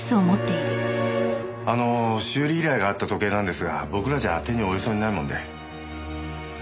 あのー修理依頼があった時計なんですが僕らじゃ手に負えそうにないもんで。